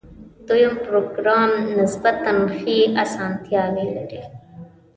دویم پروګرام نسبتاً ښې آسانتیاوې لري.